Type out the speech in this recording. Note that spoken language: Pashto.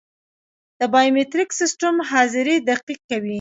د بایومتریک سیستم حاضري دقیق کوي